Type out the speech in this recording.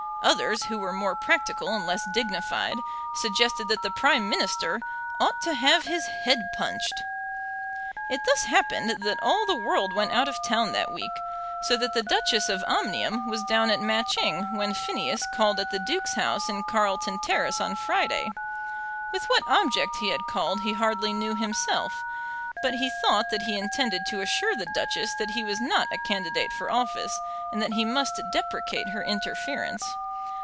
Others, who were more practical and less dignified, suggested that the Prime Minister "ought to have his head punched." It thus happened that all the world went out of town that week, so that the Duchess of Omnium was down at Matching when Phineas called at the Duke's house in Carlton Terrace on Friday. With what object he had called he hardly knew himself; but he thought that he intended to assure the Duchess that he was not a candidate for office, and that he must deprecate her interference.